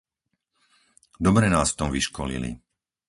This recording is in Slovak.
Dobre nás v tom vyškolili.